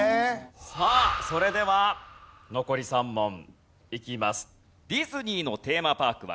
さあそれでは残り３問いきます。